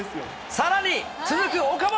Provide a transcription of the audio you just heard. さらに続く岡本。